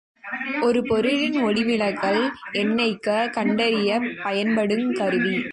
ஒரு பொருளின் ஒளிவிலகல் எண்ணைக் கண்டறியப் பயன்படுங் கருவி.